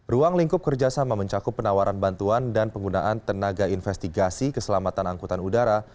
ruang lingkup kerjasama mencakup penawaran bantuan dan penggunaan tenaga investigasi keselamatan angkutan udara